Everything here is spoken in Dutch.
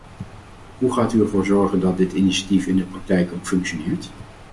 Hoe gaat u ervoor zorgen dat dit initiatief in de praktijk ook functioneert?